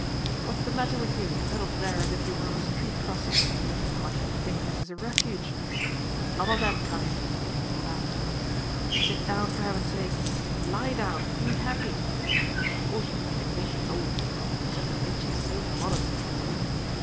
What's the matter with you, huddled there as if you were on a street crossing? I want you to think this a refuge but not of that kind!" he laughed. "Sit down, for heaven's sake; lie down be happy! Of course you've made acquaintance all except that Mitchy's so modest!